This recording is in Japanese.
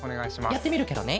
やってみるケロね。